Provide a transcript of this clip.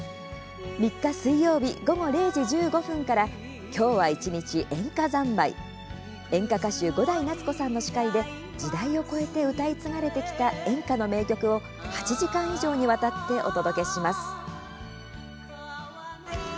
３日、水曜日午後０時１５分から「今日は一日“演歌”三昧」。演歌歌手、伍代夏子さんの司会で時代を超えて歌い継がれてきた演歌の名曲を８時間以上にわたってお届けします。